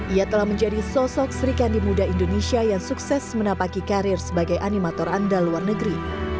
ia telah menjadi sosok serikandi muda indonesia yang sukses menapaki karir sebagai animator andal luar negeri